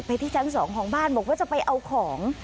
ที่ชั้น๒ของบ้านบอกว่าจะไปเอาของ